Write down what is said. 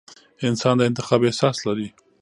انسان د انتخاب احساس لري.